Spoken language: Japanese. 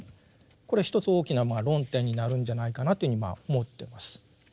これは一つ大きな論点になるんじゃないかなというふうに思ってます。